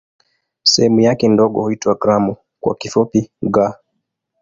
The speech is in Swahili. Sehemu yake ndogo huitwa "gramu" kwa kifupi "g".